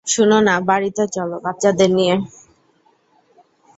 শুনো না, বাড়িতে চলো বাচ্চাদের নিয়ে।